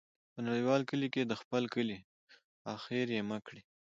په نړیوال کلي کې د خپل کلی ، اخر یې مه کړې.